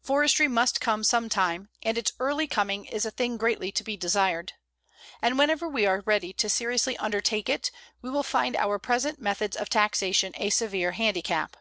Forestry must come some time, and its early coming is a thing greatly to be desired. And whenever we are ready to seriously undertake it we will find our present methods of taxation a severe handicap.